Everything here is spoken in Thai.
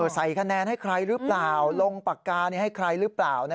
ใส่คะแนนให้ใครหรือเปล่าลงปากกาให้ใครหรือเปล่า